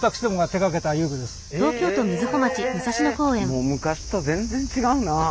もう昔と全然違うなあ。